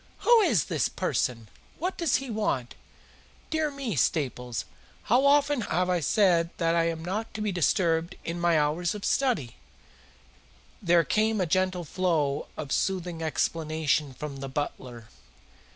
"Who is this person? What does he want? Dear me, Staples, how often have I said that I am not to be disturbed in my hours of study?" There came a gentle flow of soothing explanation from the butler.